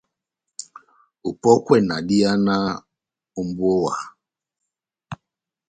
Opɔ́kwɛ na dihanaha ó mbówa.